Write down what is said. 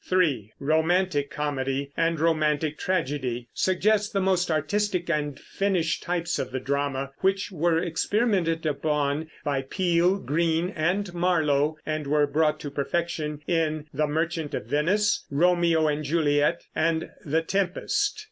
(3) Romantic Comedy and Romantic Tragedy suggest the most artistic and finished types of the drama, which were experimented upon by Peele, Greene, and Marlowe, and were brought to perfection in The Merchant of Venice, Romeo and Juliet, and The Tempest.